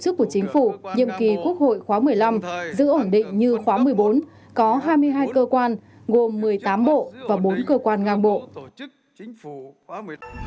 chính phủ đề nghị quốc hội xem xét quyết định cơ cấu tổ chức của chính phủ khóa một mươi năm có hai mươi hai cơ quan gồm một mươi tám bộ và bốn cơ quan gồm một mươi tám bộ và bốn cơ quan